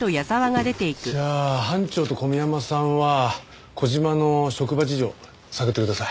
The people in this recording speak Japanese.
じゃあ班長と小宮山さんは小島の職場事情探ってください。